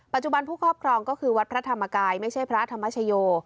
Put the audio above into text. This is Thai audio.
ผู้ครอบครองก็คือวัดพระธรรมกายไม่ใช่พระธรรมชโย